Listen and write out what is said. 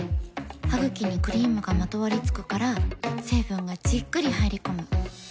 ハグキにクリームがまとわりつくから成分がじっくり入り込む。